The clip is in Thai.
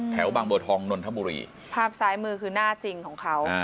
แถวบางบัวทองนนทบุรีภาพซ้ายมือคือหน้าจริงของเขา